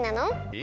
え！